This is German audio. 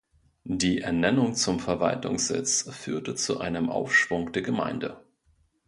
Die Ernennung zum Verwaltungssitz führte zu einem Aufschwung der Gemeinde.